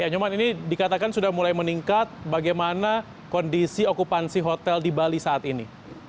nyoman ini dikatakan sudah mulai meningkat bagaimana kondisi okupansi hotel di bali saat ini